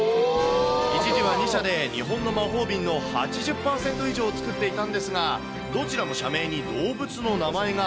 一時は２社で日本の魔法瓶の８０％以上を作っていたんですが、どちらも社名に動物の名前が。